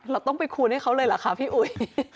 เราต้องไปคูณให้เขาเลยเหรอคะพี่อุ๋ย